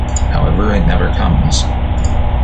However, it never comes.